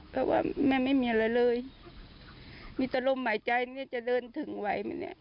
ก็ว่าแม่ไม่มีอะไรเลยมีตระลมหมายใจเนี้ยจะเริ่มถึงไว้มันเนี้ย